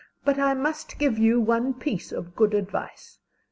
But I must give you one piece of good advice.